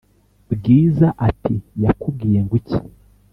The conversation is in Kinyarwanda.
Bwiza ati"yakubwiye ngwiki?"